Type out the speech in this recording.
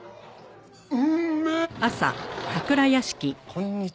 こんにちは。